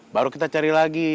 baru kita cari lagi